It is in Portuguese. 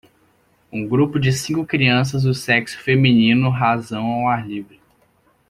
Um grupo de cinco crianças do sexo feminino razão ao ar livre.